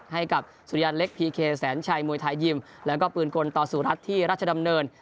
ให้กับสุริยันเล็กพีเคแสนชัยมวยไทยยิมแล้วก็ปืนกลต่อสู่รัฐที่ราชดำเนิน